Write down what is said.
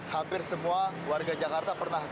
hampir semua warga jakarta pernah